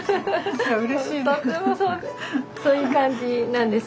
そういう感じなんですね。